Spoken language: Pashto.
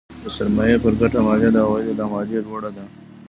د سرمایې پر ګټه مالیه د عوایدو له مالیې لوړه ده.